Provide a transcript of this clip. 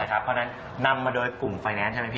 เพราะฉะนั้นนำมาโดยกลุ่มไฟแนนซ์ใช่ไหมพี่